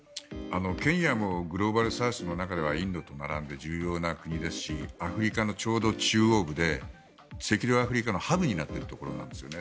ケニアもグローバルサウスの中ではインドと並んで重要な国ですしアフリカのちょうど中央部で赤道アフリカのハブになっているところなんですね。